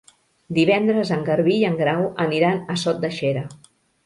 Divendres en Garbí i en Grau aniran a Sot de Xera.